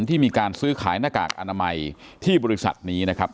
ที่มีการซื้อขายหน้ากากอนามัยที่บริษัทนี้นะครับ